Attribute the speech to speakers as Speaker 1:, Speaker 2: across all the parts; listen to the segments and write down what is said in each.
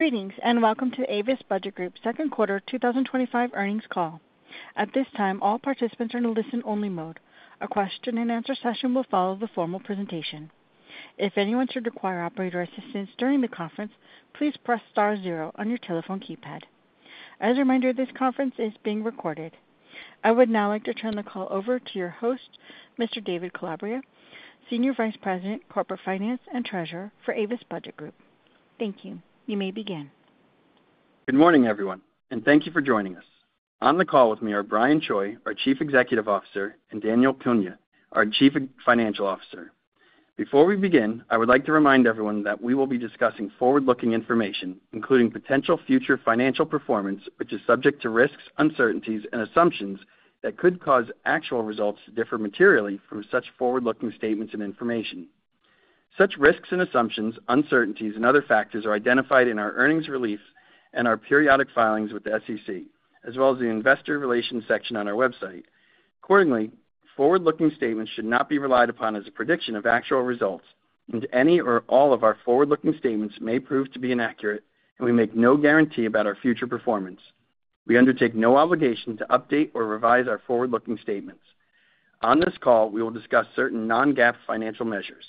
Speaker 1: Greetings, and welcome to Avis Budget Group's second quarter 2025 earnings call. At this time, all participants are in a listen-only mode. A question-and-answer session will follow the formal presentation. If anyone should require operator assistance during the conference, please press star zero on your telephone keypad. As a reminder, this conference is being recorded. I would now like to turn the call over to your host, Mr. David Calabria, Senior Vice President, Corporate Finance and Treasurer for Avis Budget Group. Thank you. You may begin.
Speaker 2: Good morning, everyone, and thank you for joining us. On the call with me are Brian Choi, our Chief Executive Officer, and Daniel Cunha, our Chief Financial Officer. Before we begin, I would like to remind everyone that we will be discussing forward-looking information, including potential future financial performance, which is subject to risks, uncertainties, and assumptions that could cause actual results to differ materially from such forward-looking statements and information. Such risks, assumptions, uncertainties, and other factors are identified in our earnings releases and our periodic filings with the SEC, as well as the investor relations section on our website. Accordingly, forward-looking statements should not be relied upon as a prediction of actual results, and any or all of our forward-looking statements may prove to be inaccurate, and we make no guarantee about our future performance. We undertake no obligation to update or revise our forward-looking statements. On this call, we will discuss certain non-GAAP financial measures.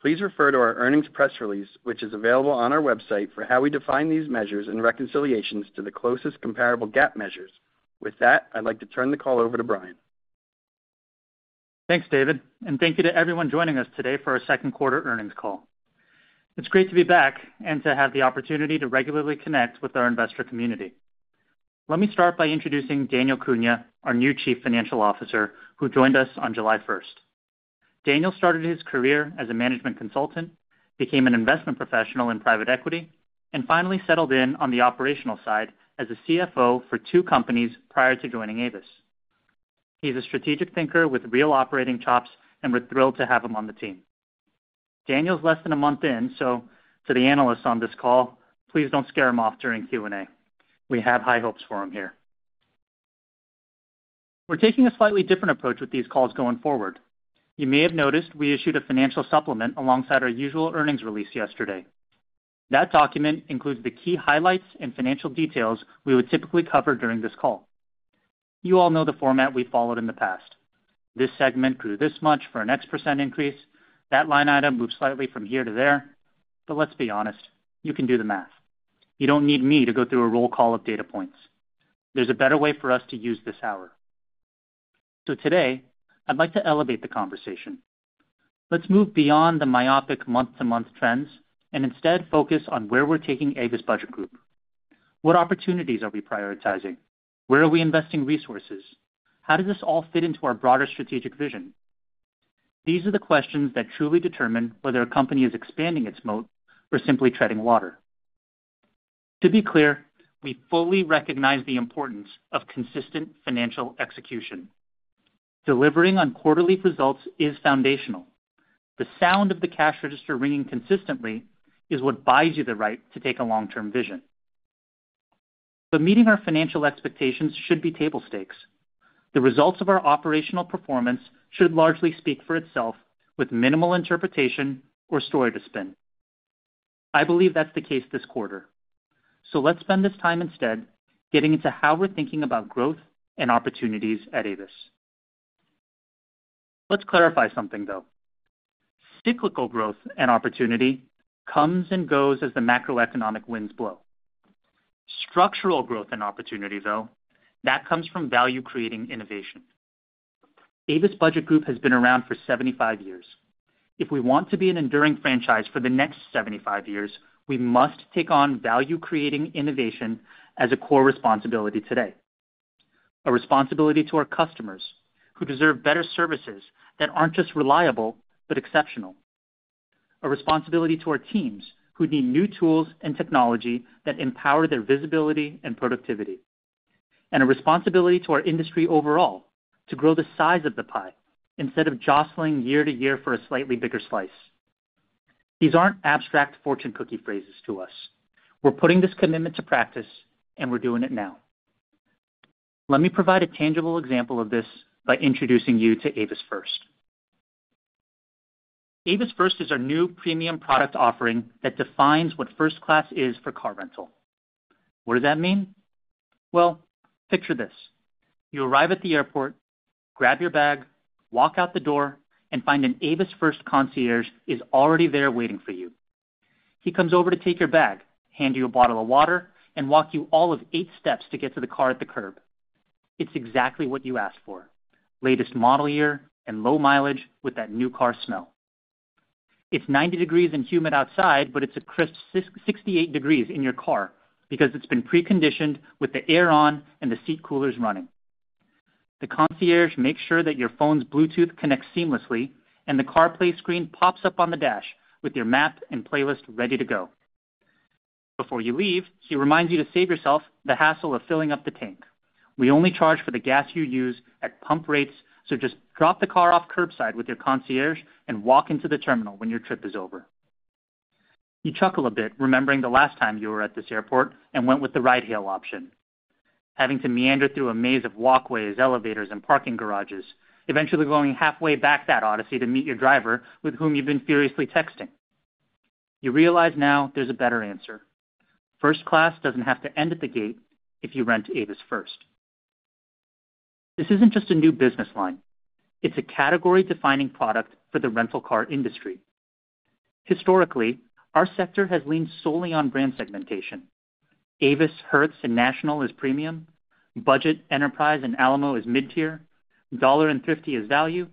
Speaker 2: Please refer to our earnings press release, which is available on our website, for how we define these measures and reconciliations to the closest comparable GAAP measures. With that, I'd like to turn the call over to Brian.
Speaker 3: Thanks, David, and thank you to everyone joining us today for our second quarter earnings call. It's great to be back and to have the opportunity to regularly connect with our investor community. Let me start by introducing Daniel Cunha, our new Chief Financial Officer, who joined us on July 1. Daniel started his career as a management consultant, became an investment professional in private equity, and finally settled in on the operational side as a CFO for two companies prior to joining Avis. He's a strategic thinker with real operating chops, and we're thrilled to have him on the team. Daniel's less than a month in, so to the analysts on this call, please don't scare him off during Q&A. We have high hopes for him here. We're taking a slightly different approach with these calls going forward. You may have noticed we issued a financial supplement alongside our usual earnings release yesterday. That document includes the key highlights and financial details we would typically cover during this call. You all know the format we've followed in the past. This segment grew this much for an X percent increase. That line item moved slightly from here to there. Let's be honest, you can do the math. You don't need me to go through a roll call of data points. There's a better way for us to use this hour. Today, I'd like to elevate the conversation. Let's move beyond the myopic month-to-month trends and instead focus on where we're taking Avis Budget Group. What opportunities are we prioritizing? Where are we investing resources? How does this all fit into our broader strategic vision? These are the questions that truly determine whether a company is expanding its moat or simply treading water. To be clear, we fully recognize the importance of consistent financial execution. Delivering on quarterly results is foundational. The sound of the cash register ringing consistently is what buys you the right to take a long-term vision. Meeting our financial expectations should be table stakes. The results of our operational performance should largely speak for itself with minimal interpretation or story to spin. I believe that's the case this quarter. Let's spend this time instead getting into how we're thinking about growth and opportunities at Avis. Let's clarify something, though. Cyclical growth and opportunity come and go as the macroeconomic winds blow. Structural growth and opportunity, though, that comes from value-creating innovation. Avis Budget Group has been around for 75 years. If we want to be an enduring franchise for the next 75 years, we must take on value-creating innovation as a core responsibility today. A responsibility to our customers who deserve better services that aren't just reliable but exceptional. A responsibility to our teams who need new tools and technology that empower their visibility and productivity. A responsibility to our industry overall to grow the size of the pie instead of jostling year to year for a slightly bigger slice. These aren't abstract fortune cookie phrases to us. We're putting this commitment to practice, and we're doing it now. Let me provide a tangible example of this by introducing you to Avis First. Avis First is our new premium product offering that defines what first class is for car rental. What does that mean? Picture this. You arrive at the airport, grab your bag, walk out the door, and find an Avis First concierge is already there waiting for you. He comes over to take your bag, hand you a bottle of water, and walk you all of eight steps to get to the car at the curb. It's exactly what you asked for: latest model year and low mileage with that new car smell. It's 90 degrees and humid outside, but it's a crisp 68 degrees in your car because it's been preconditioned with the air on and the seat coolers running. The concierge makes sure that your phone's Bluetooth connects seamlessly, and the CarPlay screen pops up on the dash with your map and playlist ready to go. Before you leave, he reminds you to save yourself the hassle of filling up the tank. We only charge for the gas you use at pump rates, so just drop the car off curbside with your concierge and walk into the terminal when your trip is over. You chuckle a bit, remembering the last time you were at this airport and went with the ride-hailing option. Having to meander through a maze of walkways, elevators, and parking garages, eventually going halfway back that odyssey to meet your driver with whom you've been furiously texting. You realize now there's a better answer. First class doesn't have to end at the gate if you rent Avis First. This isn't just a new business line. It's a category-defining product for the rental car industry. Historically, our sector has leaned solely on brand segmentation. Avis, Hertz, and National is premium. Budget, Enterprise, and Alamo is mid-tier. Dollar and Thrifty is value.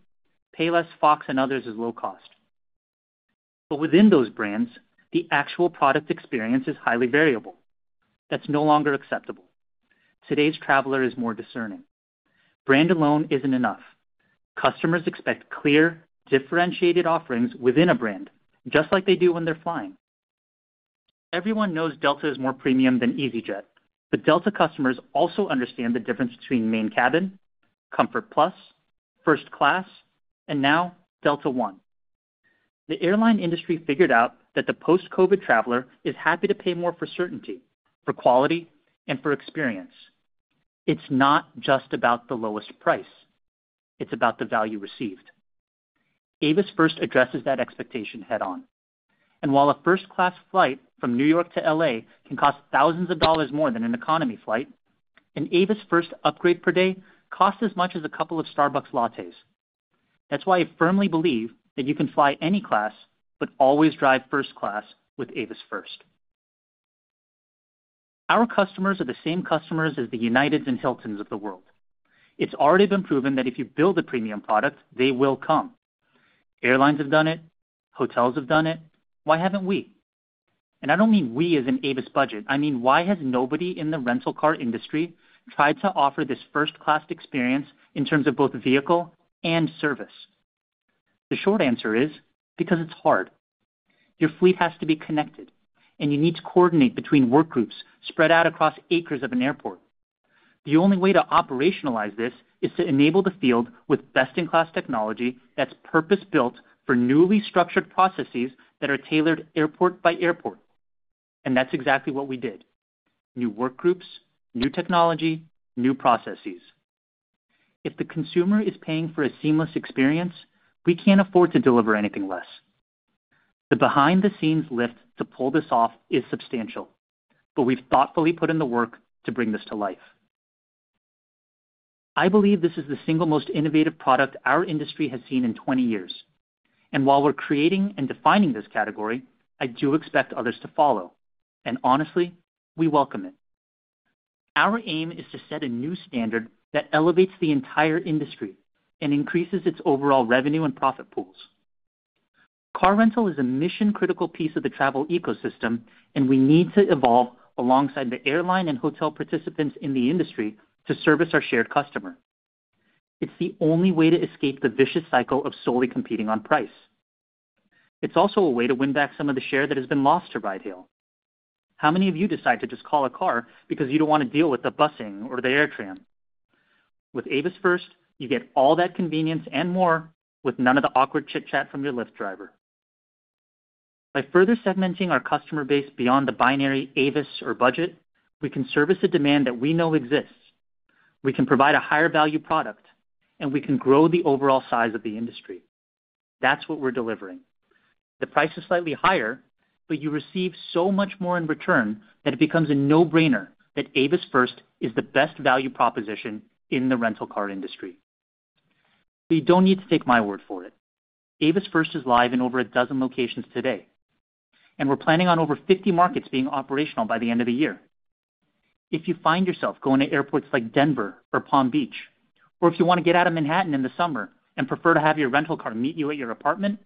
Speaker 3: Payless, Fox, and others is low cost. Within those brands, the actual product experience is highly variable. That's no longer acceptable. Today's traveler is more discerning. Brand alone isn't enough. Customers expect clear, differentiated offerings within a brand, just like they do when they're flying. Everyone knows Delta is more premium than EasyJet, but Delta customers also understand the difference between Main Cabin, Comfort Plus, First Class, and now Delta One. The airline industry figured out that the post-COVID traveler is happy to pay more for certainty, for quality, and for experience. It's not just about the lowest price. It's about the value received. Avis First addresses that expectation head-on. While a first-class flight from New York to LA can cost thousands of dollars more than an economy flight, an Avis First upgrade per day costs as much as a couple of Starbucks lattes. That's why I firmly believe that you can fly any class but always drive first class with Avis First. Our customers are the same customers as the Uniteds and Hiltons of the world. It's already been proven that if you build a premium product, they will come. Airlines have done it. Hotels have done it. Why haven't we? I don't mean we as in Avis Budget Group. I mean, why has nobody in the rental car industry tried to offer this first-class experience in terms of both vehicle and service? The short answer is because it's hard. Your fleet has to be connected, and you need to coordinate between work groups spread out across acres of an airport. The only way to operationalize this is to enable the field with best-in-class technology that's purpose-built for newly structured processes that are tailored airport by airport. That's exactly what we did. New work groups, new technology, new processes. If the consumer is paying for a seamless experience, we can't afford to deliver anything less. The behind-the-scenes lift to pull this off is substantial. We've thoughtfully put in the work to bring this to life. I believe this is the single most innovative product our industry has seen in 20 years. While we're creating and defining this category, I do expect others to follow. Honestly, we welcome it. Our aim is to set a new standard that elevates the entire industry and increases its overall revenue and profit pools. Car rental is a mission-critical piece of the travel ecosystem, and we need to evolve alongside the airline and hotel participants in the industry to service our shared customer. It's the only way to escape the vicious cycle of solely competing on price. It's also a way to win back some of the share that has been lost to ride-hailing. How many of you decide to just call a car because you don't want to deal with the bussing or the AirTrain? With Avis First, you get all that convenience and more with none of the awkward chit-chat from your Lyft driver. By further segmenting our customer base beyond the binary Avis or Budget, we can service a demand that we know exists. We can provide a higher-value product, and we can grow the overall size of the industry. That's what we're delivering. The price is slightly higher, but you receive so much more in return that it becomes a no-brainer that Avis First is the best value proposition in the rental car industry. You don't need to take my word for it. Avis First is live in over a dozen locations today, and we're planning on over 50 markets being operational by the end of the year. If you find yourself going to airports like Denver or Palm Beach, or if you want to get out of Manhattan in the summer and prefer to have your rental car meet you at your apartment,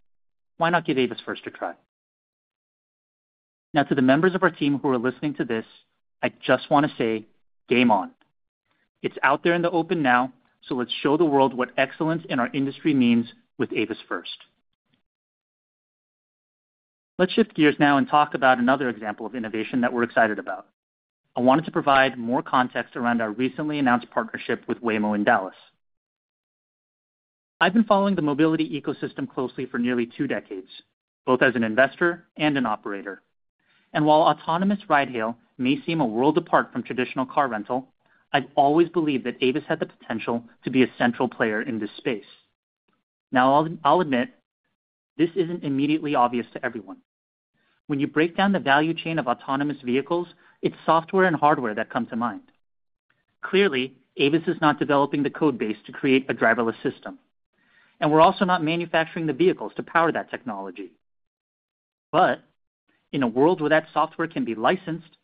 Speaker 3: why not give Avis First a try? To the members of our team who are listening to this, I just want to say game on. It's out there in the open now, so let's show the world what excellence in our industry means with Avis First. Let's shift gears now and talk about another example of innovation that we're excited about. I wanted to provide more context around our recently announced partnership with Waymo in Dallas. I've been following the mobility ecosystem closely for nearly two decades, both as an investor and an operator. While autonomous ride-hailing may seem a world apart from traditional car rental, I've always believed that Avis had the potential to be a central player in this space. I'll admit, this isn't immediately obvious to everyone. When you break down the value chain of autonomous vehicles, it's software and hardware that come to mind. Clearly, Avis is not developing the code base to create a driverless system, and we're also not manufacturing the vehicles to power that technology. In a world where that software can be licensed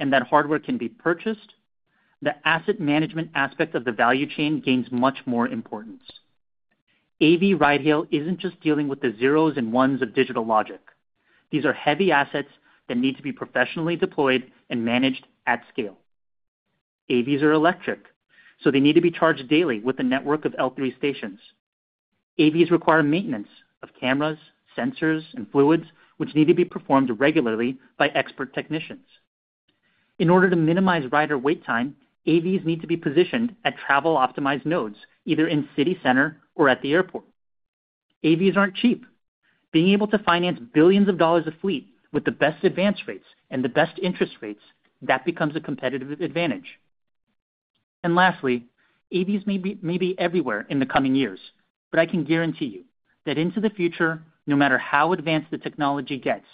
Speaker 3: and that hardware can be purchased, the asset management aspect of the value chain gains much more importance. AV ride-hailing isn't just dealing with the zeros and ones of digital logic. These are heavy assets that need to be professionally deployed and managed at scale. AVs are electric, so they need to be charged daily with a network of L3 stations. AVs require maintenance of cameras, sensors, and fluids, which need to be performed regularly by expert technicians. In order to minimize rider wait time, AVs need to be positioned at travel-optimized nodes, either in city center or at the airport. AVs aren't cheap. Being able to finance billions of dollars a fleet with the best advance rates and the best interest rates, that becomes a competitive advantage. Lastly, AVs may be everywhere in the coming years, but I can guarantee you that into the future, no matter how advanced the technology gets,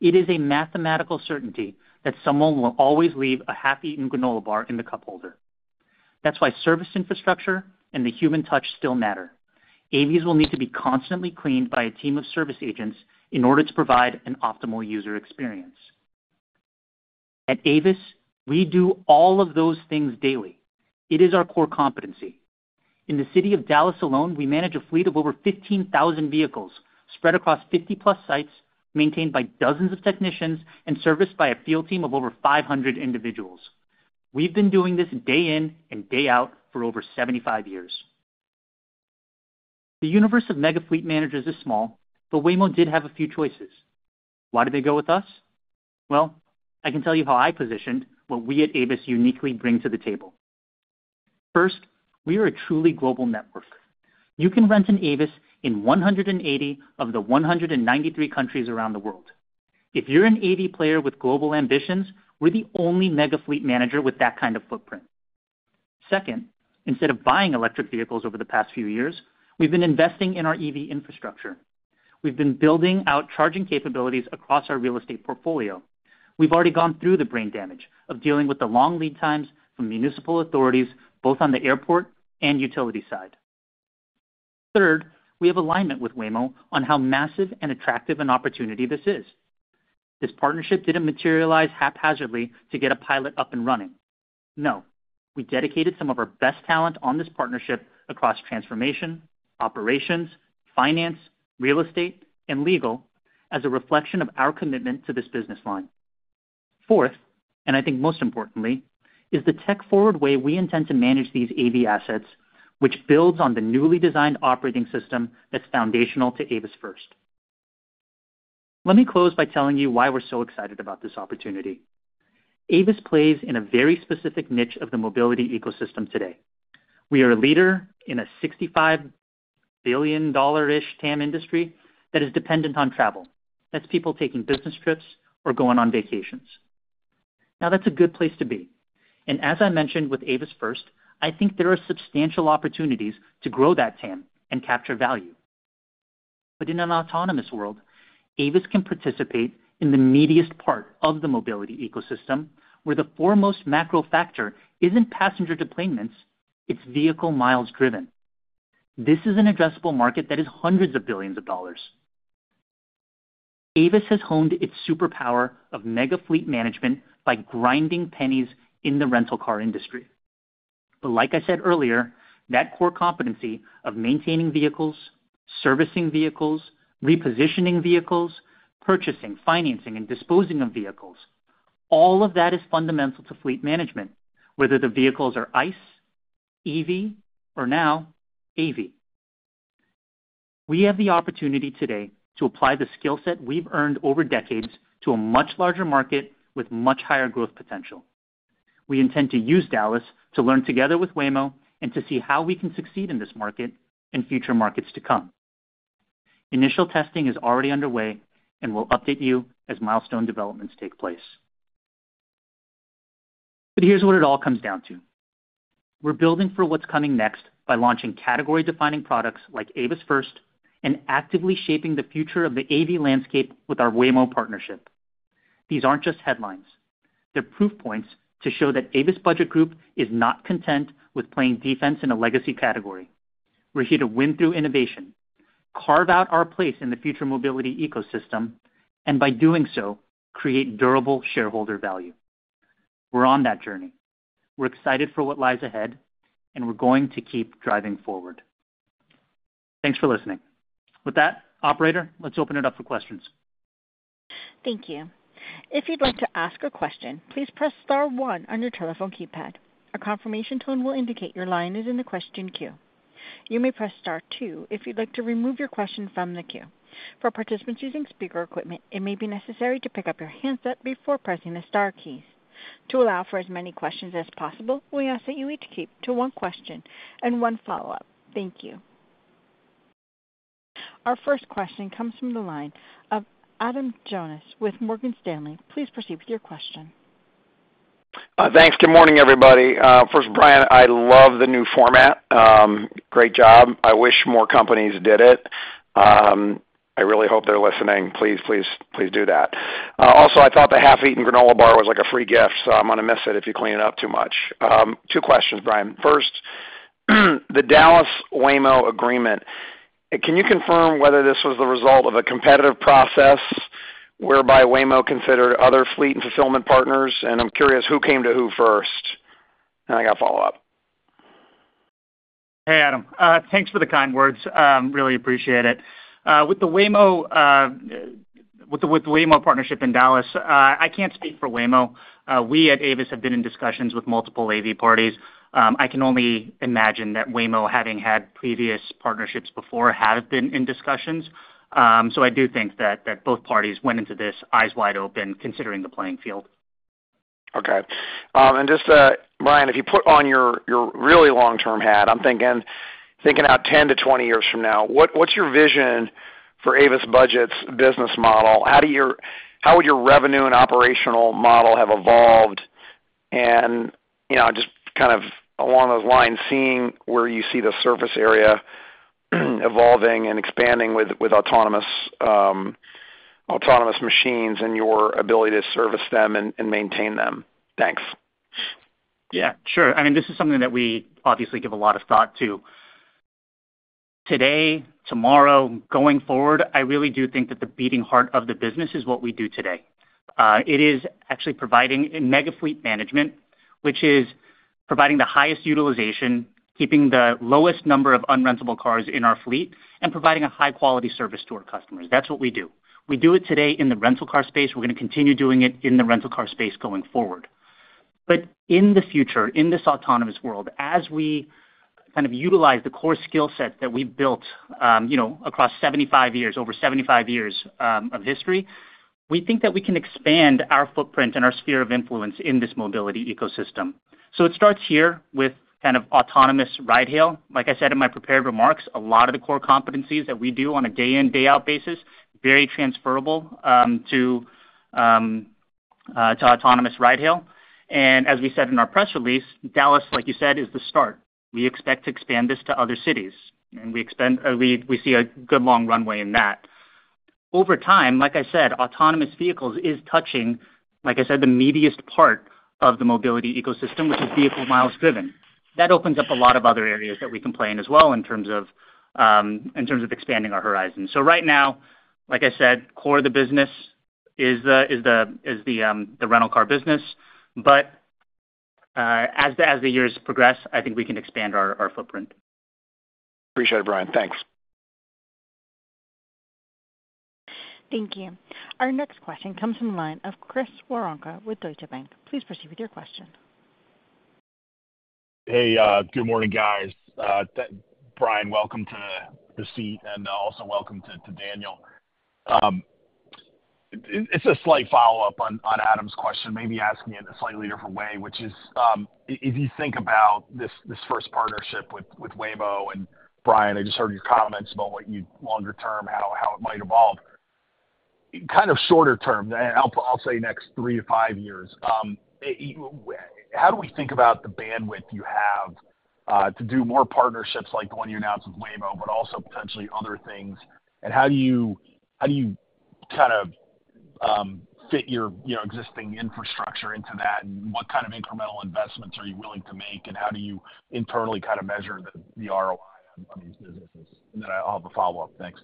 Speaker 3: it is a mathematical certainty that someone will always leave a half-eaten granola bar in the cup holder. That's why service infrastructure and the human touch still matter. AVs will need to be constantly cleaned by a team of service agents in order to provide an optimal user experience. At Avis, we do all of those things daily. It is our core competency. In the city of Dallas alone, we manage a fleet of over 15,000 vehicles spread across 50+ sites, maintained by dozens of technicians and serviced by a field team of over 500 individuals. We've been doing this day in and day out for over 75 years. The universe of mega fleet managers is small, but Waymo did have a few choices. Why did they go with us? I can tell you how I positioned what we at Avis uniquely bring to the table. First, we are a truly global network. You can rent an Avis in 180 of the 193 countries around the world. If you're an AV player with global ambitions, we're the only mega fleet manager with that kind of footprint. Second, instead of buying electric vehicles over the past few years, we've been investing in our EV infrastructure. We've been building out charging capabilities across our real estate portfolio. We've already gone through the brain damage of dealing with the long lead times from municipal authorities, both on the airport and utility side. Third, we have alignment with Waymo on how massive and attractive an opportunity this is. This partnership didn't materialize haphazardly to get a pilot up and running. We dedicated some of our best talent on this partnership across transformation, operations, finance, real estate, and legal as a reflection of our commitment to this business line. Fourth, and I think most importantly, is the tech-forward way we intend to manage these AV assets, which builds on the newly designed operating system that's foundational to Avis First. Let me close by telling you why we're so excited about this opportunity. Avis plays in a very specific niche of the mobility ecosystem today. We are a leader in a $65 billion-ish TAM industry that is dependent on travel. That's people taking business trips or going on vacations. That's a good place to be. As I mentioned with Avis First, I think there are substantial opportunities to grow that TAM and capture value. In an autonomous world, Avis can participate in the meatiest part of the mobility ecosystem, where the foremost macro factor isn't passenger deployments. It's vehicle miles driven. This is an addressable market that is hundreds of billions of dollars. Avis has honed its superpower of mega fleet management by grinding pennies in the rental car industry. Like I said earlier, that core competency of maintaining vehicles, servicing vehicles, repositioning vehicles, purchasing, financing, and disposing of vehicles, all of that is fundamental to fleet management, whether the vehicles are ICE, EV, or now AV. We have the opportunity today to apply the skill set we've earned over decades to a much larger market with much higher growth potential. We intend to use Dallas to learn together with Waymo and to see how we can succeed in this market and future markets to come. Initial testing is already underway, and we'll update you as milestone developments take place. Here's what it all comes down to. We're building for what's coming next by launching category-defining products like Avis First and actively shaping the future of the AV landscape with our Waymo partnership. These aren't just headlines. They're proof points to show that Avis Budget Group is not content with playing defense in a legacy category. We're here to win through innovation, carve out our place in the future mobility ecosystem, and by doing so, create durable shareholder value. We're on that journey. We're excited for what lies ahead, and we're going to keep driving forward. Thanks for listening. With that, operator, let's open it up for questions.
Speaker 1: Thank you. If you'd like to ask a question, please press star one on your telephone keypad. A confirmation tone will indicate your line is in the question queue. You may press star two if you'd like to remove your question from the queue. For participants using speaker equipment, it may be necessary to pick up your handset before pressing the star keys. To allow for as many questions as possible, we ask that you each keep to one question and one follow-up. Thank you. Our first question comes from the line of Adam Michael Jonas with Morgan Stanley. Please proceed with your question.
Speaker 4: Thanks. Good morning, everybody. First, Brian, I love the new format. Great job. I wish more companies did it. I really hope they're listening. Please, please, please do that. Also, I thought the half-eaten granola bar was like a free gift, so I'm going to miss it if you clean it up too much. Two questions, Brian. First, the Dallas-Waymo agreement, can you confirm whether this was the result of a competitive process whereby Waymo considered other fleet and fulfillment partners? I'm curious who came to who first. I got a follow-up.
Speaker 3: Hey, Adam. Thanks for the kind words. Really appreciate it. With the Waymo partnership in Dallas, I can't speak for Waymo. We at Avis have been in discussions with multiple AV parties. I can only imagine that Waymo, having had previous partnerships before, have been in discussions. I do think that both parties went into this eyes wide open, considering the playing field.
Speaker 4: Okay. Brian, if you put on your really long-term hat, I'm thinking out 10-20 years from now, what's your vision for Avis Budget Group's business model? How would your revenue and operational model have evolved? You know, just kind of along those lines, seeing where you see the surface area evolving and expanding with autonomous machines and your ability to service them and maintain them. Thanks.
Speaker 3: Yeah, sure. I mean, this is something that we obviously give a lot of thought to. Today, tomorrow, going forward, I really do think that the beating heart of the business is what we do today. It is actually providing mega fleet management, which is providing the highest utilization, keeping the lowest number of unrentable cars in our fleet, and providing a high-quality service to our customers. That's what we do. We do it today in the rental car space. We're going to continue doing it in the rental car space going forward. In the future, in this autonomous world, as we kind of utilize the core skill set that we've built across 75 years, over 75 years of history, we think that we can expand our footprint and our sphere of influence in this mobility ecosystem. It starts here with kind of autonomous ride-hailing. Like I said in my prepared remarks, a lot of the core competencies that we do on a day-in, day-out basis are very transferable to autonomous ride-hailing. As we said in our press release, Dallas, like you said, is the start. We expect to expand this to other cities, and we see a good long runway in that. Over time, like I said, autonomous vehicles are touching, like I said, the meatiest part of the mobility ecosystem, which is vehicle miles driven. That opens up a lot of other areas that we can play in as well in terms of expanding our horizon. Right now, like I said, core of the business is the rental car business. As the years progress, I think we can expand our footprint.
Speaker 4: Appreciate it, Brian. Thanks.
Speaker 1: Thank you. Our next question comes from the line of Chris Woronka with Deutsche Bank. Please proceed with your question.
Speaker 5: Hey, good morning, guys. Brian, welcome to the seat and also welcome to Daniel. It's a slight follow-up on Adam's question, maybe asking it in a slightly different way, which is, as you think about this first partnership with Waymo, and Brian, I just heard your comments about what you longer term, how it might evolve. Kind of shorter term, I'll say next three to five years, how do we think about the bandwidth you have to do more partnerships like the one you announced with Waymo, also potentially other things? How do you fit your existing infrastructure into that? What kind of incremental investments are you willing to make? How do you internally measure the ROI on these businesses? I'll have a follow-up. Thanks.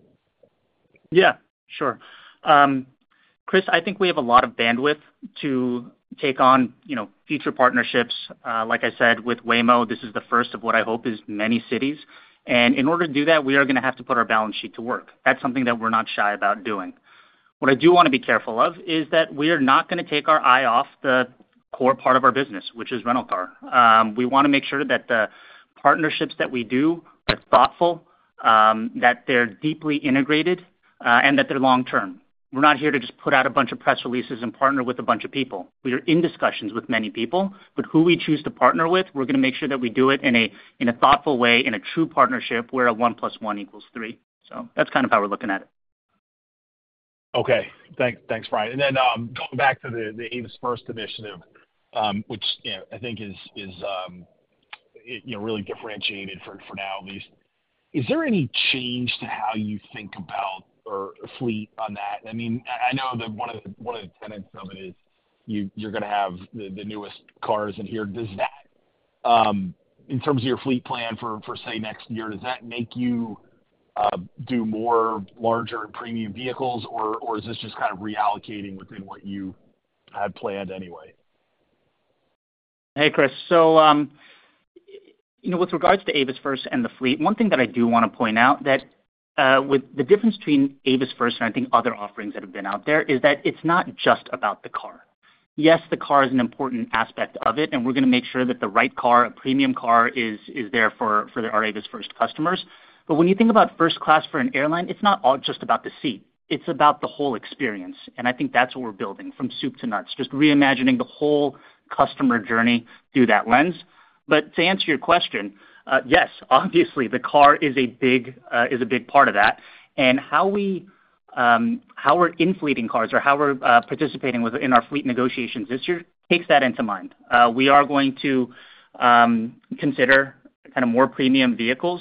Speaker 3: Yeah, sure. Chris, I think we have a lot of bandwidth to take on future partnerships. Like I said, with Waymo, this is the first of what I hope is many cities. In order to do that, we are going to have to put our balance sheet to work. That's something that we're not shy about doing. What I do want to be careful of is that we are not going to take our eye off the core part of our business, which is rental car. We want to make sure that the partnerships that we do are thoughtful, that they're deeply integrated, and that they're long-term. We're not here to just put out a bunch of press releases and partner with a bunch of people. We are in discussions with many people, but who we choose to partner with, we're going to make sure that we do it in a thoughtful way, in a true partnership where a 1 + 1 = 3. That's kind of how we're looking at it.
Speaker 5: Okay. Thanks, Brian. Going back to the Avis First initiative, which I think is really differentiated for now at least, is there any change to how you think about a fleet on that? I mean, I know that one of the tenets of it is you're going to have the newest cars in here. Does that, in terms of your fleet plan for, say, next year, make you do more larger and premium vehicles, or is this just kind of reallocating within what you had planned anyway?
Speaker 3: Hey, Chris. With regards to Avis First and the fleet, one thing that I do want to point out is that the difference between Avis First and other offerings that have been out there is that it's not just about the car. Yes, the car is an important aspect of it, and we're going to make sure that the right car, a premium car, is there for our Avis First customers. When you think about first class for an airline, it's not all just about the seat. It's about the whole experience. I think that's what we're building, from soup to nuts, just reimagining the whole customer journey through that lens. To answer your question, yes, obviously, the car is a big part of that. How we're inflating cars or how we're participating in our fleet negotiations this year takes that into mind. We are going to consider more premium vehicles,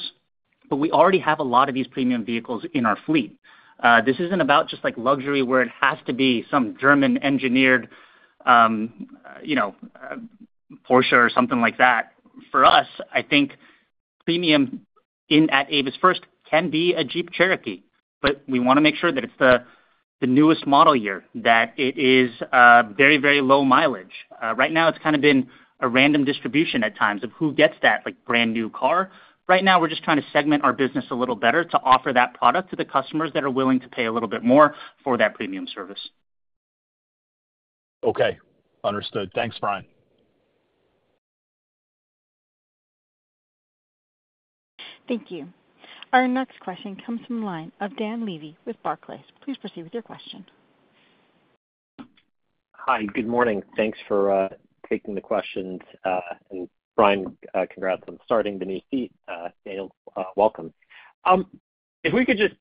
Speaker 3: but we already have a lot of these premium vehicles in our fleet. This isn't about just luxury where it has to be some German-engineered Porsche or something like that. For us, I think premium at Avis First can be a Jeep Cherokee, but we want to make sure that it's the newest model year, that it is very, very low mileage. Right now, it's kind of been a random distribution at times of who gets that brand new car. Right now, we're just trying to segment our business a little better to offer that product to the customers that are willing to pay a little bit more for that premium service.
Speaker 5: Okay. Understood. Thanks, Brian.
Speaker 1: Thank you. Our next question comes from the line of Dan Levy with Barclays. Please proceed with your question.
Speaker 6: Hi. Good morning. Thanks for taking the questions. Brian, congrats on starting the new seat. Daniel, welcome. If we could just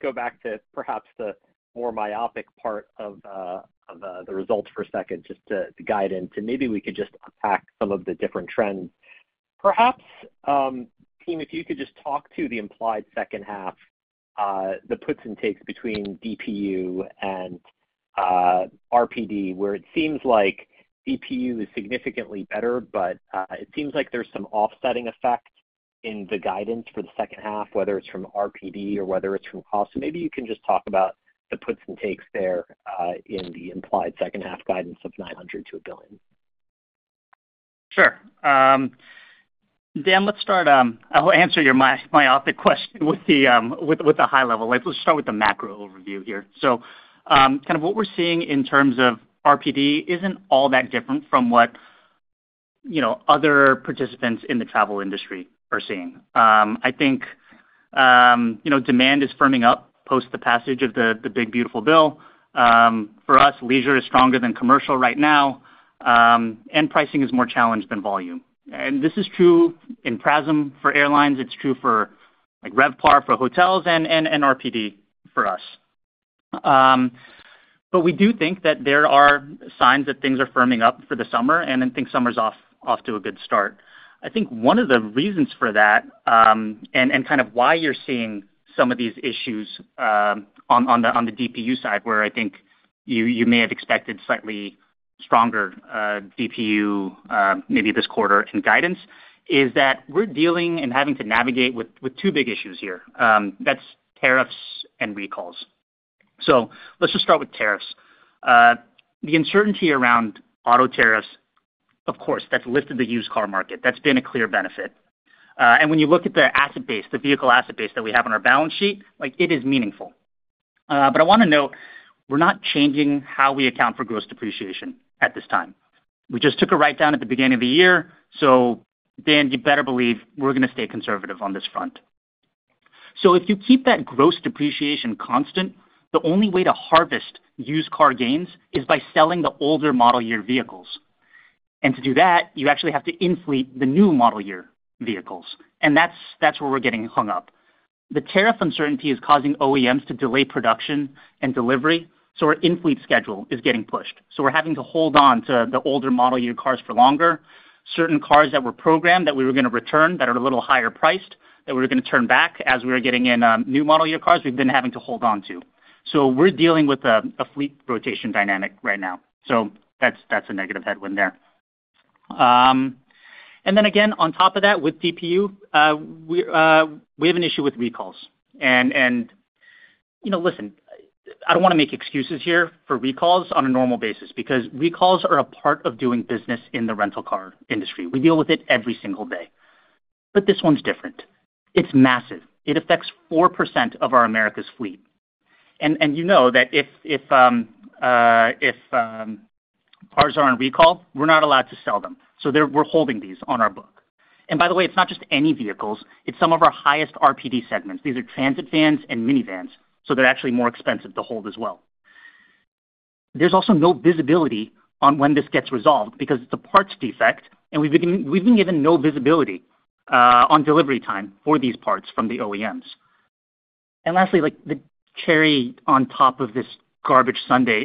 Speaker 6: go back to perhaps the more myopic part of the results for a second to guide into maybe we could just unpack some of the different trends. Perhaps, team, if you could just talk to the implied second half, the puts and takes between DPU and RPD, where it seems like DPU is significantly better, but it seems like there's some offsetting effect in the guidance for the second half, whether it's from RPD or whether it's from cost. Maybe you can just talk about the puts and takes there in the implied second half guidance of $900 million-$1 billion.
Speaker 3: Sure. Dan, let's start. I'll answer your myopic question with the high level. Let's start with the macro overview here. What we're seeing in terms of RPD isn't all that different from what other participants in the travel industry are seeing. I think demand is firming up post the passage of the big beautiful bill. For us, leisure is stronger than commercial right now, and pricing is more challenged than volume. This is true in Prasm for airlines, it's true for RevPAR for hotels, and RPD for us. We do think that there are signs that things are firming up for the summer, and I think summer's off to a good start. I think one of the reasons for that and why you're seeing some of these issues on the DPU side, where I think you may have expected slightly stronger DPU maybe this quarter in guidance, is that we're dealing and having to navigate with two big issues here. That's tariffs and recalls. Let's just start with tariffs. The uncertainty around auto tariffs, of course, that's lifted the used car market. That's been a clear benefit. When you look at the asset base, the vehicle asset base that we have on our balance sheet, it is meaningful. I want to note, we're not changing how we account for gross depreciation at this time. We just took a write-down at the beginning of the year. Dan, you better believe we're going to stay conservative on this front. If you keep that gross depreciation constant, the only way to harvest used car gains is by selling the older model year vehicles. To do that, you actually have to inflate the new model year vehicles. That's where we're getting hung up. The tariff uncertainty is causing OEMs to delay production and delivery, so our inflate schedule is getting pushed. We're having to hold on to the older model year cars for longer. Certain cars that were programmed that we were going to return that are a little higher priced, that we were going to turn back as we were getting in new model year cars, we've been having to hold on to. We're dealing with a fleet rotation dynamic right now. That's a negative headwind there. On top of that, with DPU, we have an issue with recalls. I don't want to make excuses here for recalls on a normal basis because recalls are a part of doing business in the rental car industry. We deal with it every single day. This one's different. It's massive. It affects 4% of our America's fleet. You know that if cars are on recall, we're not allowed to sell them. We're holding these on our book. By the way, it's not just any vehicles. It's some of our highest RPD segments. These are transit vans and minivans, so they're actually more expensive to hold as well. There's also no visibility on when this gets resolved because it's a parts defect, and we've been given no visibility on delivery time for these parts from the OEMs. Lastly, like the cherry on top of this garbage sundae,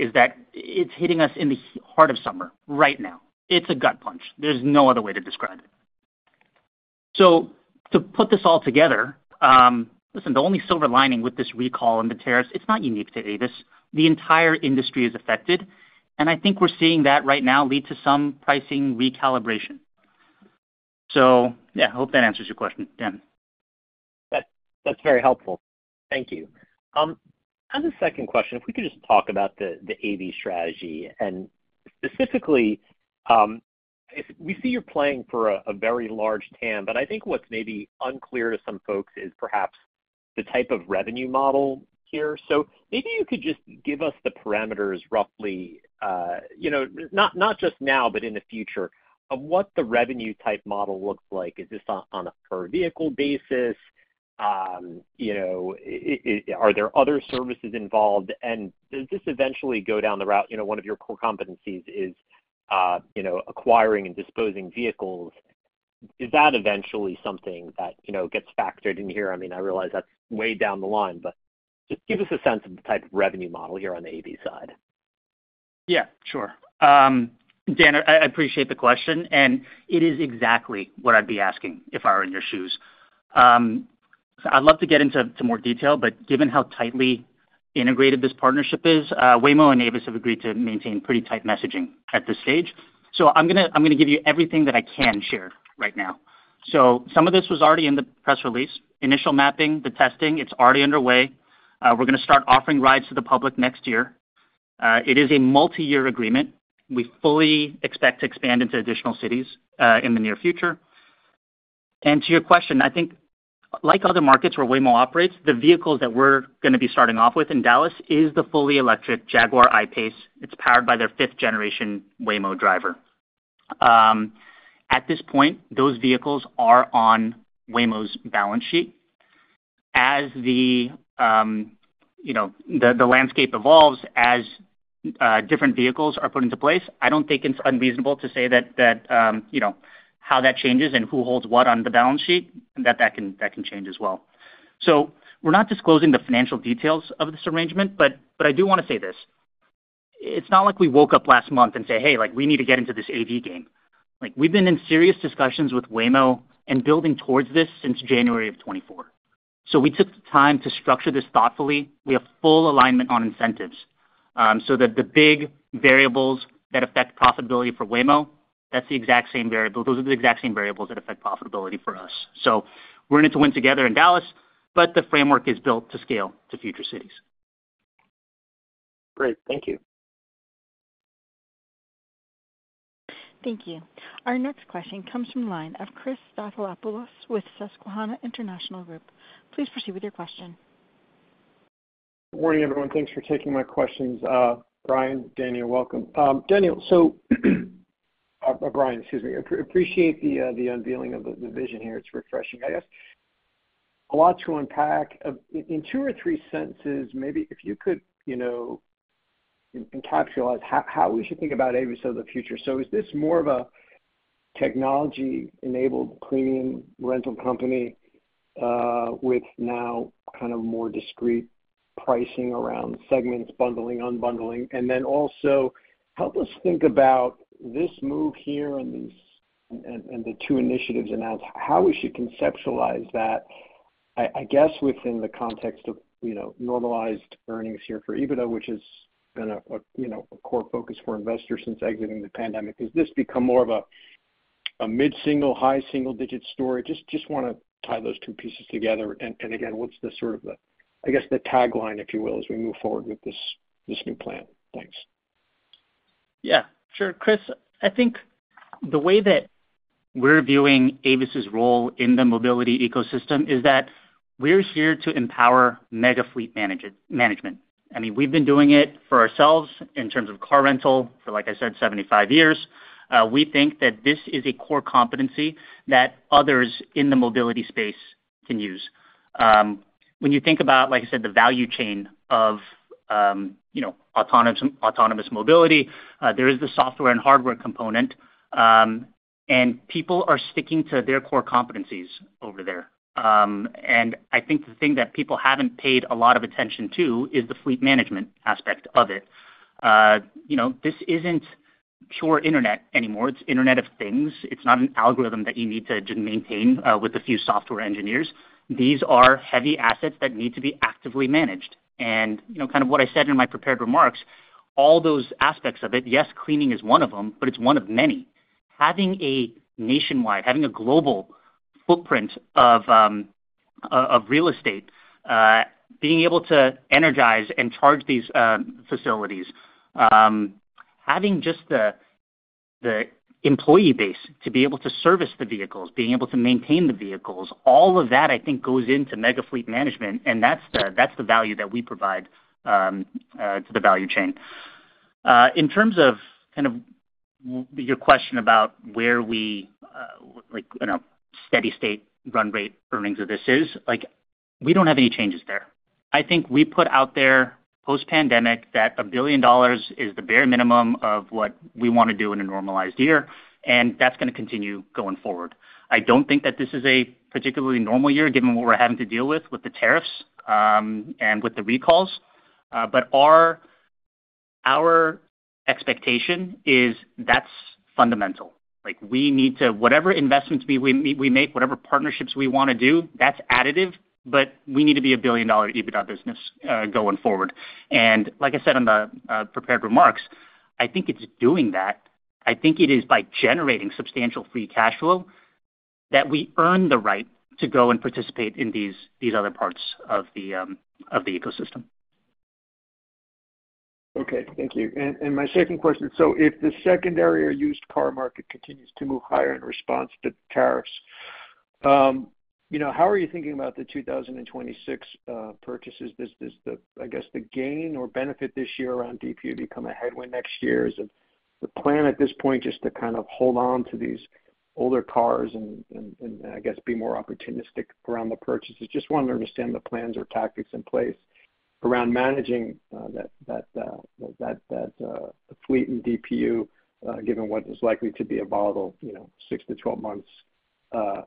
Speaker 3: it's hitting us in the heart of summer right now. It's a gut punch. There's no other way to describe it. To put this all together, listen, the only silver lining with this recall and the tariffs is that it's not unique to Avis Budget Group. The entire industry is affected. I think we're seeing that right now lead to some pricing recalibration. I hope that answers your question, Dan.
Speaker 6: That's very helpful. Thank you. As a second question, if we could just talk about the AV strategy. Specifically, we see you're playing for a very large TAM, but I think what's maybe unclear to some folks is perhaps the type of revenue model here. Maybe you could just give us the parameters roughly, you know, not just now, but in the future, of what the revenue type model looks like. Is this on a per vehicle basis? You know, are there other services involved? Does this eventually go down the route? One of your core competencies is, you know, acquiring and disposing of vehicles. Is that eventually something that, you know, gets factored in here? I realize that's way down the line, but just give us a sense of the type of revenue model here on the AV side.
Speaker 3: Yeah, sure. Dan, I appreciate the question. It is exactly what I'd be asking if I were in your shoes. I'd love to get into more detail, but given how tightly integrated this partnership is, Waymo and Avis have agreed to maintain pretty tight messaging at this stage. I'm going to give you everything that I can share right now. Some of this was already in the press release. Initial mapping, the testing, it's already underway. We're going to start offering rides to the public next year. It is a multi-year agreement. We fully expect to expand into additional cities in the near future. To your question, I think, like other markets where Waymo operates, the vehicles that we're going to be starting off with in Dallas is the fully electric Jaguar I-PACE. It's powered by their fifth-generation Waymo driver. At this point, those vehicles are on Waymo's balance sheet. As the landscape evolves, as different vehicles are put into place, I don't think it's unreasonable to say that how that changes and who holds what on the balance sheet, that can change as well. We're not disclosing the financial details of this arrangement, but I do want to say this. It's not like we woke up last month and said, "Hey, like we need to get into this AV game." We've been in serious discussions with Waymo and building towards this since January of 2024. We took the time to structure this thoughtfully. We have full alignment on incentives so that the big variables that affect profitability for Waymo, that's the exact same variable. Those are the exact same variables that affect profitability for us. We're in it to win together in Dallas, but the framework is built to scale to future cities.
Speaker 6: Great. Thank you.
Speaker 1: Thank you. Our next question comes from the line of Christopher Stathoulopoulos with Susquehanna International Group. Please proceed with your question.
Speaker 7: Good morning, everyone. Thanks for taking my questions. Brian, Daniel, welcome. Brian, I appreciate the unveiling of the vision here. It's refreshing, I guess. A lot to unpack. In two or three sentences, maybe if you could encapsulate how we should think about Avis Budget Group for the future. Is this more of a technology-enabled premium rental company with now kind of more discrete pricing around segments, bundling, unbundling? Also, help us think about this move here and the two initiatives announced, how we should conceptualize that within the context of normalized earnings here for EBITDA, which has been a core focus for investors since exiting the pandemic. Has this become more of a mid-single, high single-digit story? I just want to tie those two pieces together. Again, what's the sort of tagline, if you will, as we move forward with this new plan? Thanks.
Speaker 3: Yeah. Sure. Chris, I think the way that we're viewing Avis Budget Group's role in the mobility ecosystem is that we're here to empower mega fleet management. We've been doing it for ourselves in terms of car rental for, like I said, 75 years. We think that this is a core competency that others in the mobility space can use. When you think about, like I said, the value chain of autonomous mobility, there is the software and hardware component, and people are sticking to their core competencies over there. I think the thing that people haven't paid a lot of attention to is the fleet management aspect of it. This isn't pure internet anymore. It's Internet of Things. It's not an algorithm that you need to just maintain with a few software engineers. These are heavy assets that need to be actively managed. Kind of what I said in my prepared remarks, all those aspects of it, yes, cleaning is one of them, but it's one of many. Having a nationwide, having a global footprint of real estate, being able to energize and charge these facilities, having just the employee base to be able to service the vehicles, being able to maintain the vehicles, all of that, I think, goes into mega fleet management. That's the value that we provide to the value chain. In terms of your question about where we, like, steady state run rate earnings of this is, we don't have any changes there. I think we put out there post-pandemic that $1 billion is the bare minimum of what we want to do in a normalized year, and that's going to continue going forward. I don't think that this is a particularly normal year given what we're having to deal with with the tariffs and with the recalls. Our expectation is that's fundamental. We need to, whatever investments we make, whatever partnerships we want to do, that's additive, but we need to be a $1 billion EBITDA business going forward. Like I said in the prepared remarks, I think it's doing that. I think it is by generating substantial free cash flow that we earn the right to go and participate in these other parts of the ecosystem.
Speaker 7: Thank you. My second question, if the secondary or used car market continues to move higher in response to tariffs, how are you thinking about the 2026 purchases? Does the gain or benefit this year around DPU become a headwind next year? Is the plan at this point just to hold on to these older cars and be more opportunistic around the purchases? I just want to understand the plans or tactics in place around managing that fleet and DPU, given what is likely to be a volatile six to 12 months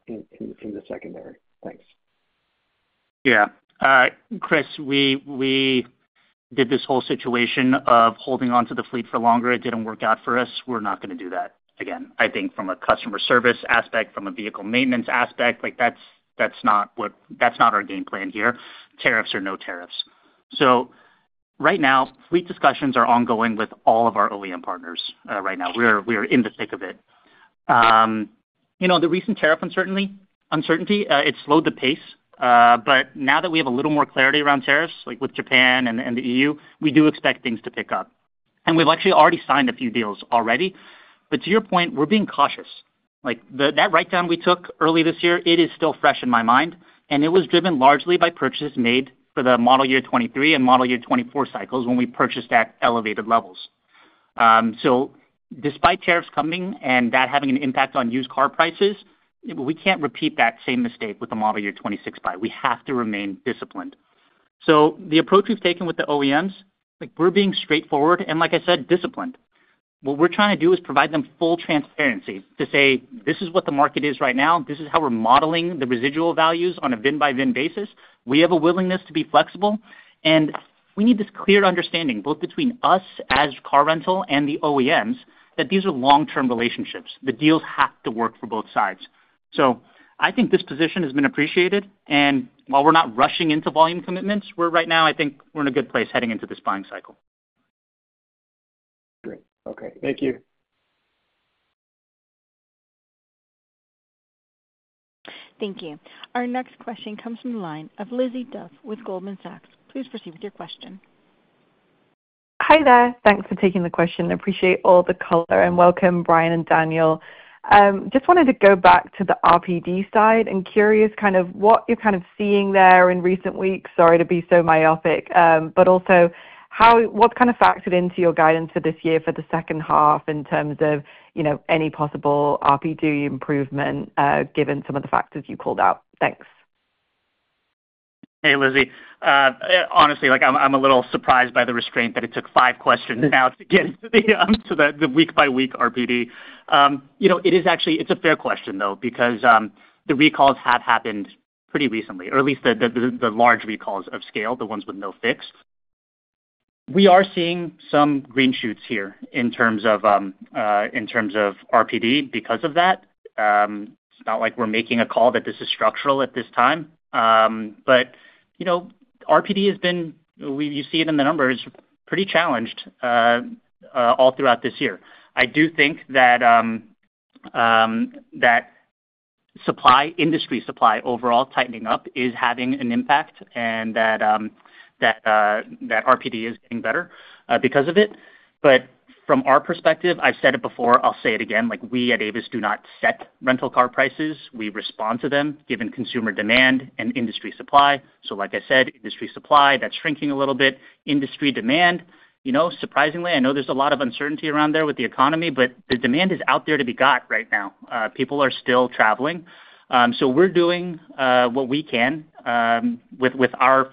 Speaker 7: in the secondary. Thanks.
Speaker 3: Yeah. Chris, we did this whole situation of holding on to the fleet for longer. It didn't work out for us. We're not going to do that again. I think from a customer service aspect, from a vehicle maintenance aspect, that's not our game plan here. Tariffs or no tariffs. Right now, fleet discussions are ongoing with all of our OEM partners. We're in the thick of it. The recent tariff uncertainty slowed the pace. Now that we have a little more clarity around tariffs, like with Japan and the EU, we do expect things to pick up. We've actually already signed a few deals already. To your point, we're being cautious. That write-down we took early this year is still fresh in my mind, and it was driven largely by purchases made for the model year 2023 and model year 2024 cycles when we purchased at elevated levels. Despite tariffs coming and that having an impact on used car prices, we can't repeat that same mistake with the model year 2026 buy. We have to remain disciplined. The approach we've taken with the OEMs is being straightforward and, like I said, disciplined. What we're trying to do is provide them full transparency to say, "This is what the market is right now. This is how we're modeling the residual values on a win-by-win basis. We have a willingness to be flexible." We need this clear understanding both between us as car rental and the OEMs that these are long-term relationships. The deals have to work for both sides. I think this position has been appreciated. While we're not rushing into volume commitments, I think we're in a good place heading into this buying cycle.
Speaker 7: Great. Okay. Thank you.
Speaker 1: Thank you. Our next question comes from the line of Lizzie Dove with Goldman Sachs. Please proceed with your question.
Speaker 8: Hi there. Thanks for taking the question. I appreciate all the color and welcome, Brian and Daniel. I just wanted to go back to the RPD side and curious what you're seeing there in recent weeks. Sorry to be so myopic, but also how what's factored into your guidance for this year for the second half in terms of any possible RPD improvement given some of the factors you called out. Thanks.
Speaker 3: Hey, Lizzie. Honestly, I'm a little surprised by the restraint that it took five questions now to get to the week-by-week RPD. It is actually a fair question, though, because the recalls have happened pretty recently, or at least the large recalls of scale, the ones with no fix. We are seeing some green shoots here in terms of RPD because of that. It's not like we're making a call that this is structural at this time. RPD has been, you see it in the numbers, pretty challenged all throughout this year. I do think that supply, industry supply overall tightening up is having an impact and that RPD is getting better because of it. From our perspective, I've said it before. I'll say it again. We at Avis Budget Group do not set rental car prices. We respond to them given consumer demand and industry supply. Like I said, industry supply, that's shrinking a little bit. Industry demand, you know, surprisingly, I know there's a lot of uncertainty around there with the economy, but the demand is out there to be got right now. People are still traveling. We're doing what we can with our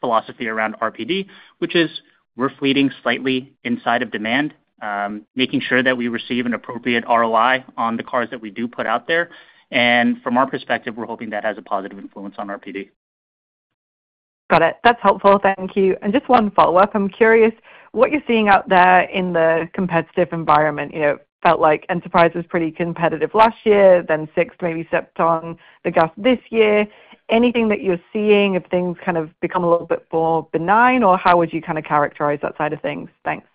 Speaker 3: philosophy around RPD, which is we're fleeting slightly inside of demand, making sure that we receive an appropriate ROI on the cars that we do put out there. From our perspective, we're hoping that has a positive influence on RPD.
Speaker 8: Got it. That's helpful. Thank you. Just one follow-up. I'm curious what you're seeing out there in the competitive environment. It felt like Enterprise was pretty competitive last year, then Sixt maybe stepped on the gas this year. Anything that you're seeing if things kind of become a little bit more benign, or how would you kind of characterize that side of things? Thanks.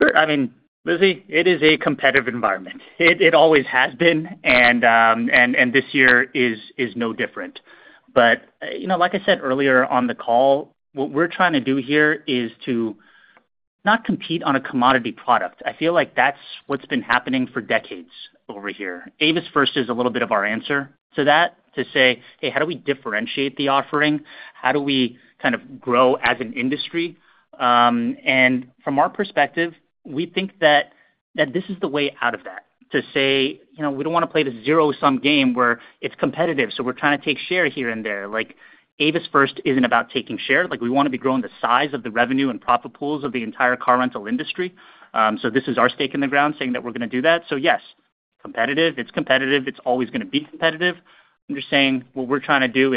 Speaker 3: Sure. I mean, Lizzie, it is a competitive environment. It always has been, and this year is no different. Like I said earlier on the call, what we're trying to do here is to not compete on a commodity product. I feel like that's what's been happening for decades over here. Avis First is a little bit of our answer to that, to say, "Hey, how do we differentiate the offering? How do we kind of grow as an industry?" From our perspective, we think that this is the way out of that, to say, you know, we don't want to play the zero-sum game where it's competitive, so we're trying to take share here and there. Avis First isn't about taking share. We want to be growing the size of the revenue and profit pools of the entire car rental industry. This is our stake in the ground saying that we're going to do that. Yes, competitive, it's competitive. It's always going to be competitive. I'm just saying what we're trying to do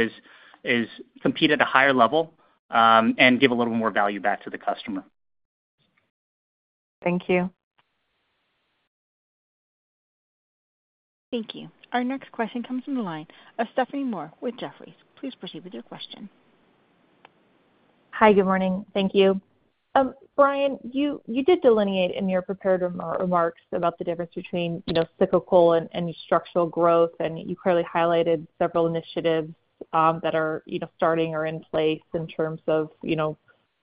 Speaker 3: is compete at a higher level and give a little more value back to the customer.
Speaker 8: Thank you.
Speaker 1: Thank you. Our next question comes from the line of Stephanie Moore with Jefferies. Please proceed with your question.
Speaker 9: Hi, good morning. Thank you. Brian, you did delineate in your prepared remarks about the difference between cyclical and structural growth, and you clearly highlighted several initiatives that are starting or in place in terms of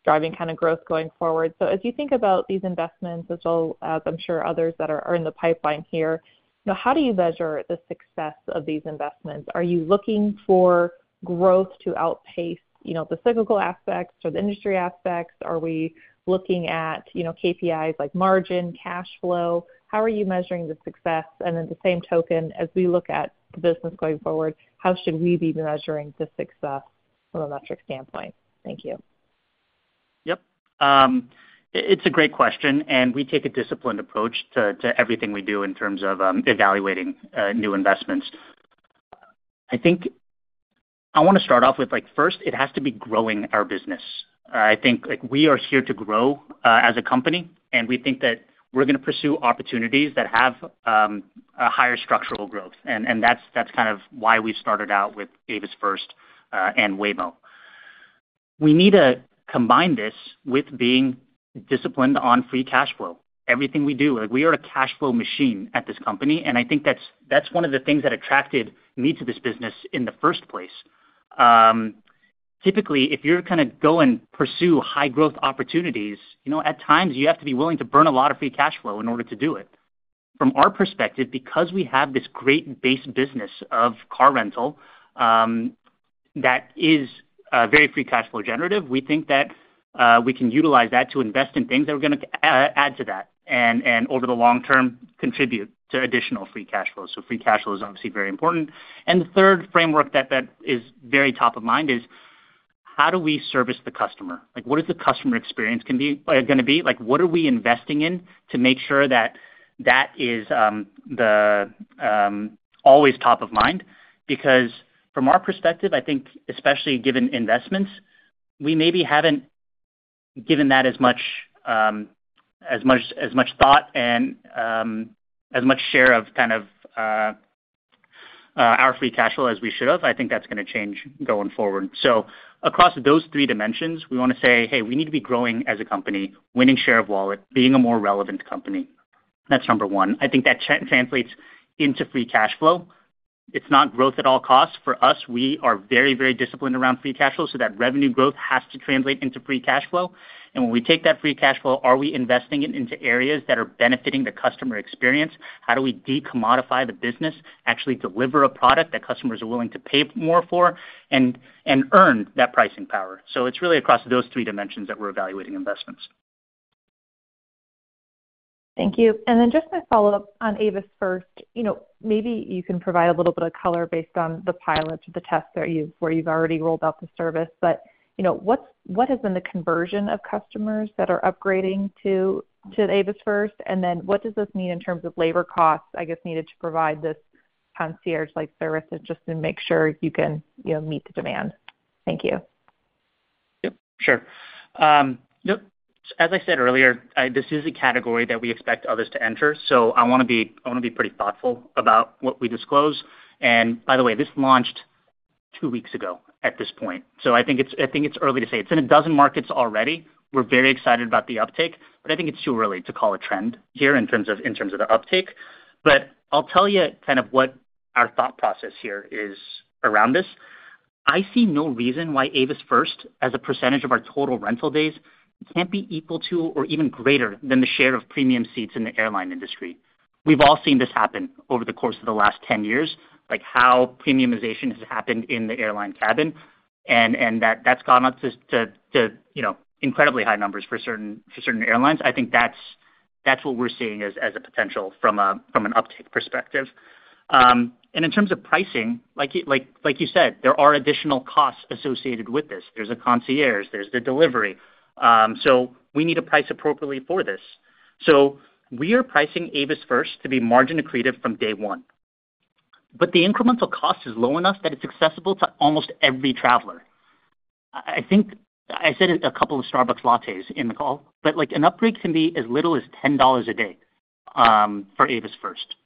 Speaker 9: driving kind of growth going forward. As you think about these investments, as well as I'm sure others that are in the pipeline here, how do you measure the success of these investments? Are you looking for growth to outpace the cyclical aspects or the industry aspects? Are we looking at KPIs like margin, cash flow? How are you measuring the success? In the same token, as we look at the business going forward, how should we be measuring the success from a metric standpoint? Thank you.
Speaker 3: Yep. It's a great question, and we take a disciplined approach to everything we do in terms of evaluating new investments. I think I want to start off with, first, it has to be growing our business. I think we are here to grow as a company, and we think that we're going to pursue opportunities that have a higher structural growth. That's kind of why we started out with Avis First and Waymo. We need to combine this with being disciplined on free cash flow. Everything we do, we are a cash flow machine at this company, and I think that's one of the things that attracted me to this business in the first place. Typically, if you're going to go and pursue high-growth opportunities, at times you have to be willing to burn a lot of free cash flow in order to do it. From our perspective, because we have this great base business of car rental that is very free cash flow generative, we think that we can utilize that to invest in things that are going to add to that and over the long term contribute to additional free cash flow. Free cash flow is obviously very important. The third framework that is very top of mind is how do we service the customer? What is the customer experience going to be? What are we investing in to make sure that that is always top of mind? From our perspective, I think especially given investments, we maybe haven't given that as much thought and as much share of our free cash flow as we should have. I think that's going to change going forward. Across those three dimensions, we want to say, "Hey, we need to be growing as a company, winning share of wallet, being a more relevant company." That's number one. I think that translates into free cash flow. It's not growth at all costs. For us, we are very, very disciplined around free cash flow, so that revenue growth has to translate into free cash flow. When we take that free cash flow, are we investing it into areas that are benefiting the customer experience? How do we decommodify the business, actually deliver a product that customers are willing to pay more for and earn that pricing power? It's really across those three dimensions that we're evaluating investments.
Speaker 9: Thank you. Just my follow-up on Avis First. Maybe you can provide a little bit of color based on the pilot to the test where you've already rolled out the service. What's been the conversion of customers that are upgrading to Avis First? What does this mean in terms of labor costs needed to provide this concierge-like service and just to make sure you can meet the demand? Thank you.
Speaker 3: Yep. Sure. As I said earlier, this is a category that we expect others to enter. I want to be pretty thoughtful about what we disclose. By the way, this launched two weeks ago at this point. I think it's early to say. It's in a dozen markets already. We're very excited about the uptake, but I think it's too early to call a trend here in terms of the uptake. I'll tell you kind of what our thought process here is around this. I see no reason why Avis First, as a percentage of our total rental days, can't be equal to or even greater than the share of premium seats in the airline industry. We've all seen this happen over the course of the last 10 years, like how premiumization has happened in the airline cabin. That's gone up to incredibly high numbers for certain airlines. I think that's what we're seeing as a potential from an uptake perspective. In terms of pricing, like you said, there are additional costs associated with this. There's a concierge. There's the delivery. We need to price appropriately for this. We are pricing Avis First to be margin accretive from day one. The incremental cost is low enough that it's accessible to almost every traveler. I think I said a couple of Starbucks lattes in the call, but like an upgrade can be as little as $10 a day for Avis First.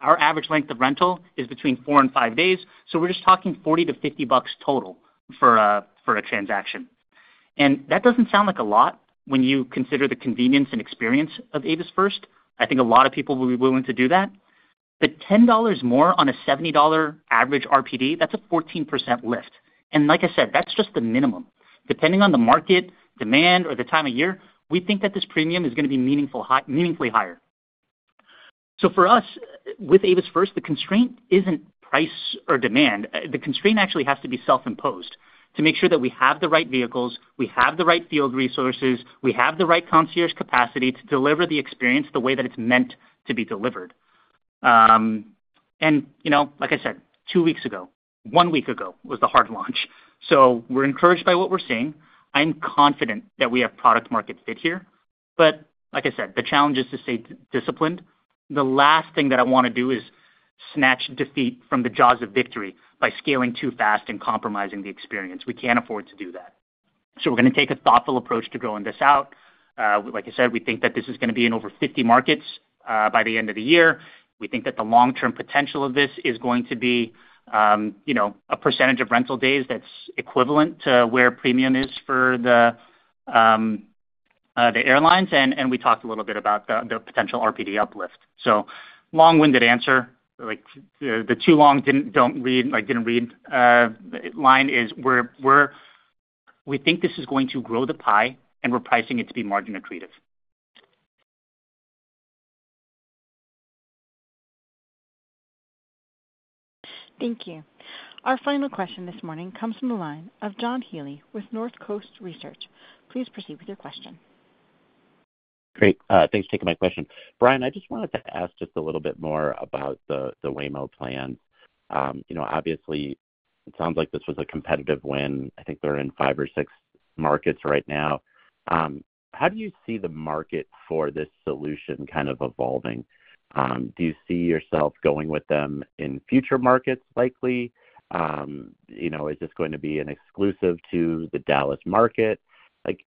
Speaker 3: Our average length of rental is between four and five days, so we're just talking $40-$50 total for a transaction. That doesn't sound like a lot when you consider the convenience and experience of Avis First. I think a lot of people will be willing to do that. $10 more on a $70 average RPD, that's a 14% lift. Like I said, that's just the minimum. Depending on the market demand or the time of year, we think that this premium is going to be meaningfully higher. For us, with Avis First, the constraint isn't price or demand. The constraint actually has to be self-imposed to make sure that we have the right vehicles, we have the right field resources, we have the right concierge capacity to deliver the experience the way that it's meant to be delivered. Like I said, two weeks ago, one week ago was the hard launch. We're encouraged by what we're seeing. I'm confident that we have product-market fit here. Like I said, the challenge is to stay disciplined. The last thing that I want to do is snatch defeat from the jaws of victory by scaling too fast and compromising the experience. We can't afford to do that. We're going to take a thoughtful approach to growing this out. Like I said, we think that this is going to be in over 50 markets by the end of the year. We think that the long-term potential of this is going to be a percentage of rental days that's equivalent to where premium is for the airlines. We talked a little bit about the potential RPD uplift. Long-winded answer, like the too long didn't read line is we think this is going to grow the pie, and we're pricing it to be margin accretive.
Speaker 1: Thank you. Our final question this morning comes from the line of John Michael Healy with Northcoast Research Partners. Please proceed with your question.
Speaker 10: Great. Thanks for taking my question. Brian, I just wanted to ask a little bit more about the Waymo plans. Obviously, it sounds like this was a competitive win. I think they're in five or six markets right now. How do you see the market for this solution kind of evolving? Do you see yourself going with them in future markets likely? Is this going to be an exclusive to the Dallas market?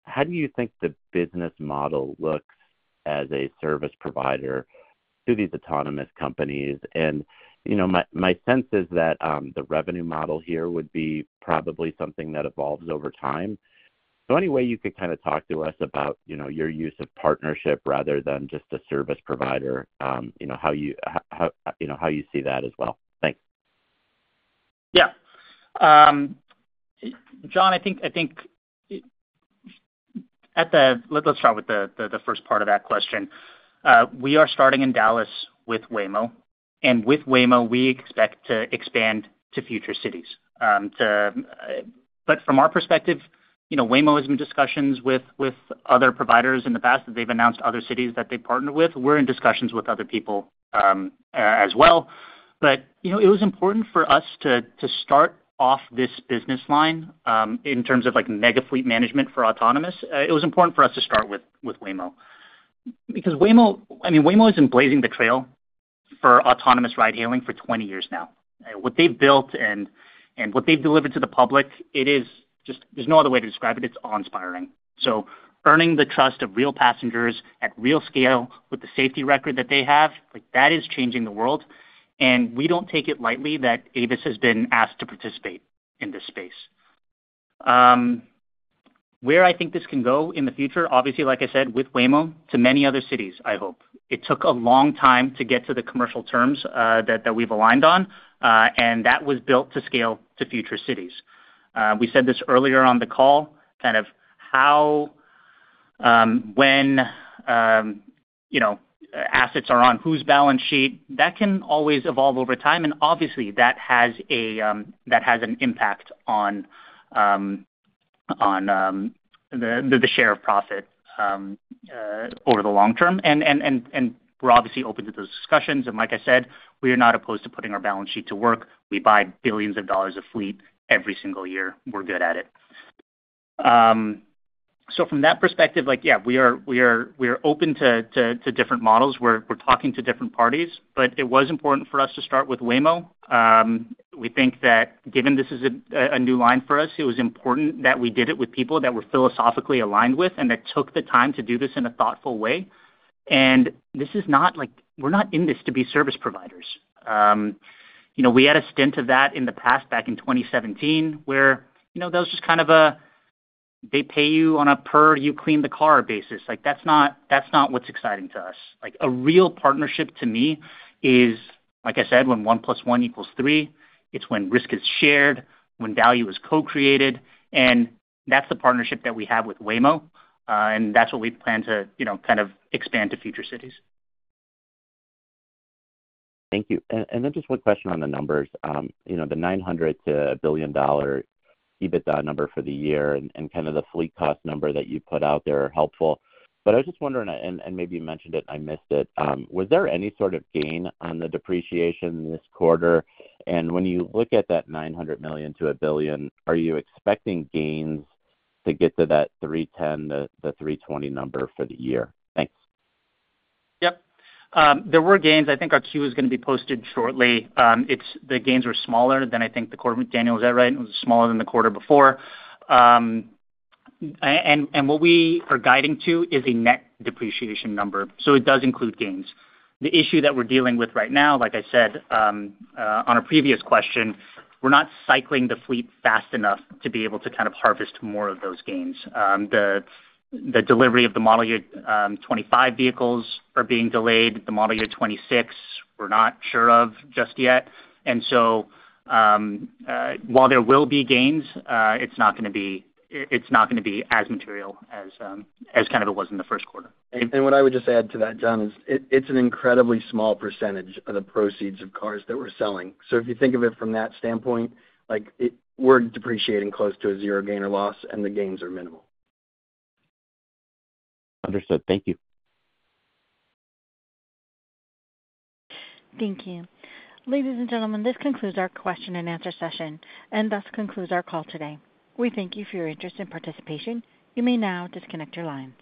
Speaker 10: How do you think the business model looks as a service provider to these autonomous companies? My sense is that the revenue model here would be probably something that evolves over time. Any way you could kind of talk to us about your use of partnership rather than just a service provider, how you see that as well. Thanks.
Speaker 3: Yeah. John, I think let's start with the first part of that question. We are starting in Dallas with Waymo. With Waymo, we expect to expand to future cities. From our perspective, you know, Waymo has been in discussions with other providers in the past, and they've announced other cities that they've partnered with. We're in discussions with other people as well. It was important for us to start off this business line in terms of mega fleet management for autonomous. It was important for us to start with Waymo because Waymo has been blazing the trail for autonomous ride-hailing for 20 years now. What they've built and what they've delivered to the public, there is just no other way to describe it. It's awe-inspiring. Earning the trust of real passengers at real scale with the safety record that they have, that is changing the world. We don't take it lightly that Avis Budget Group has been asked to participate in this space. Where I think this can go in the future, obviously, like I said, with Waymo to many other cities, I hope. It took a long time to get to the commercial terms that we've aligned on, and that was built to scale to future cities. We said this earlier on the call, kind of how, when you know, assets are on whose balance sheet, that can always evolve over time. Obviously, that has an impact on the share of profit over the long term. We're obviously open to those discussions. Like I said, we are not opposed to putting our balance sheet to work. We buy billions of dollars of fleet every single year. We're good at it. From that perspective, yeah, we are open to different models. We're talking to different parties, but it was important for us to start with Waymo. We think that given this is a new line for us, it was important that we did it with people that we're philosophically aligned with and that took the time to do this in a thoughtful way. This is not like we're in this to be service providers. We had a stint of that in the past back in 2017 where that was just kind of a they pay you on a per you clean the car basis. That's not what's exciting to us. A real partnership to me is, like I said, when 1 + 1 = 3, it's when risk is shared, when value is co-created. That's the partnership that we have with Waymo. That's what we plan to expand to future cities.
Speaker 10: Thank you. Just one question on the numbers. The $900 million-$1 billion EBITDA number for the year and the fleet cost number that you put out there are helpful. I was just wondering, and maybe you mentioned it, I missed it. Was there any sort of gain on the depreciation this quarter? When you look at that $900 million-$1 billion, are you expecting gains to get to that $310 million, $320 million number for the year? Thanks.
Speaker 3: Yep. There were gains. I think our queue is going to be posted shortly. The gains were smaller than I think the quarter, Daniel, was that right? It was smaller than the quarter before. What we are guiding to is a net depreciation number. It does include gains. The issue that we're dealing with right now, like I said on a previous question, we're not cycling the fleet fast enough to be able to kind of harvest more of those gains. The delivery of the model year 2025 vehicles are being delayed. The model year 2026, we're not sure of just yet. While there will be gains, it's not going to be as material as it was in the first quarter.
Speaker 11: What I would just add to that, John, is it's an incredibly small percentage of the proceeds of cars that we're selling. If you think of it from that standpoint, like we're depreciating close to a zero gain or loss, and the gains are minimal.
Speaker 10: Understood. Thank you.
Speaker 1: Thank you. Ladies and gentlemen, this concludes our question-and-answer session, and thus concludes our call today. We thank you for your interest and participation. You may now disconnect your lines.